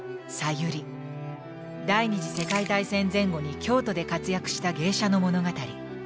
第二次世界大戦前後に京都で活躍した芸者の物語。